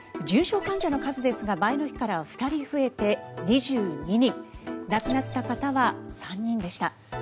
重症患者の数ですが前の日から２人増えて２２人亡くなった方は３人でした。